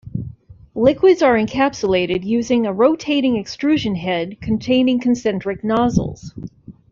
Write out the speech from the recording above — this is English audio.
Liquids are encapsulated using a rotating extrusion head containing concentric nozzles.